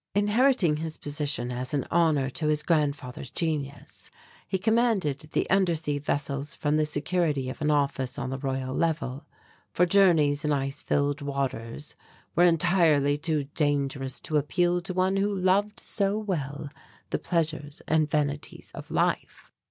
Inheriting his position as an honour to his grandfather's genius, he commanded the undersea vessels from the security of an office on the Royal Level, for journeys in ice filled waters were entirely too dangerous to appeal to one who loved so well the pleasures and vanities of life.